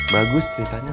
bagus ceritanya doi